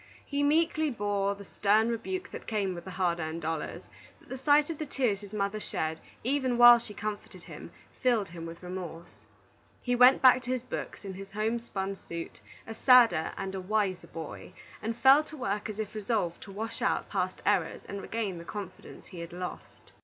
He meekly bore the stern rebuke that came with the hard earned dollars, but the sight of the tears his mother shed, even while she comforted him, filled him with remorse. He went back to his books, in a homespun suit, a sadder and a wiser boy, and fell to work as if resolved to wash out past errors and regain the confidence he had lost.